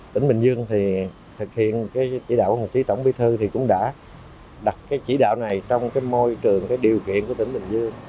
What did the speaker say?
tỉnh bình dương thực hiện chỉ đạo của tổng bí thư cũng đã đặt chỉ đạo này trong môi trường điều kiện của tỉnh bình dương